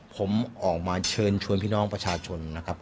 ผมออกมาเชิญชวนพี่น้องประชาชนนะครับ